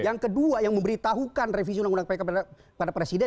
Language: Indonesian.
yang kedua yang memberitahukan revisi undang undang pk pada presiden